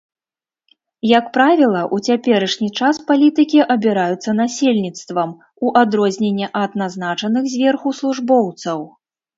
Як правіла, у цяперашні час палітыкі абіраюцца насельніцтвам, у адрозненне ад назначаных зверху службоўцаў.